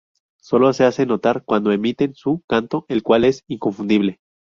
Sólo se hacen notar cuando emiten su canto, el cual es inconfundible.